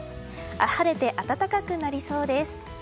晴れて暖かくなりそうです。